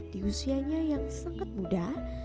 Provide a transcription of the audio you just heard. di usianya yang sangat muda